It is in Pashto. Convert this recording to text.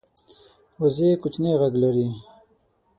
وزې کوچنی غږ لري